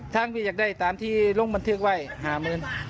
ทางพี่อยากได้ตามที่ลงบันทึกไว้๕หมึน